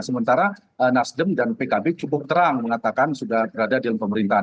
sementara nasdem dan pkb cukup terang mengatakan sudah berada di dalam pemerintahan